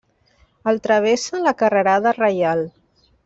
El travessa la Carrerada Reial.